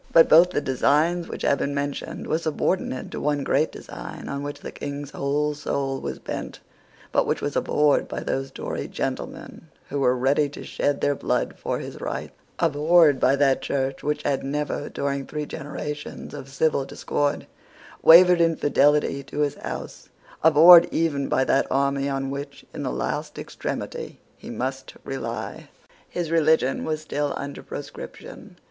But both the designs which have been mentioned were subordinate to one great design on which the King's whole soul was bent, but which was abhorred by those Tory gentlemen who were ready to shed their blood for his rights, abhorred by that Church which had never, during three generations of civil discord, wavered in fidelity to his house, abhorred even by that army on which, in the last extremity, he must rely. His religion was still under proscription.